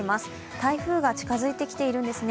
台風が近づいてきているんですね。